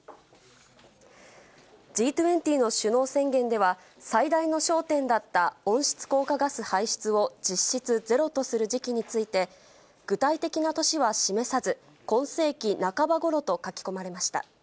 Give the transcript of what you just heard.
Ｇ２０の首脳宣言では、最大の焦点だった温室効果ガス排出を実質ゼロとする時期について、具体的な年は示さず、今世紀半ばごろと書き込まれました。